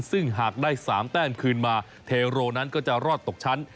ซึ่งหากได้๓แต้มคืนมาเทโรนั้นก็จะรอดตกชั้น